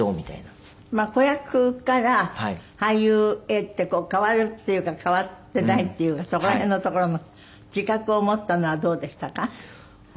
子役から俳優へって変わるっていうか変わっていないっていうかそこら辺のところの自覚を持ったのはどうでしたか？